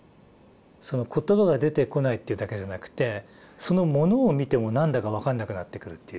その言葉が出てこないってだけじゃなくてそのものを見ても何だか分かんなくなってくるっていう。